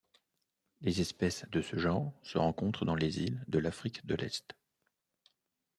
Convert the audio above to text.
Les espèces de ce genre se rencontrent dans les îles de l'Afrique de l'Est.